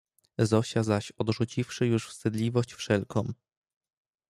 Zosia zaś odrzuciwszy już wstydliwość wszelką